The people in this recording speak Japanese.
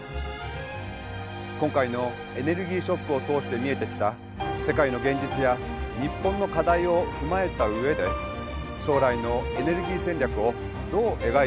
今回のエネルギーショックを通して見えてきた世界の現実や日本の課題を踏まえた上で将来のエネルギー戦略をどう描いていくのか。